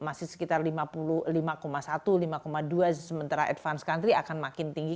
reaksi sekitar lima satu lima dua sementara advanced country akan makin tinggi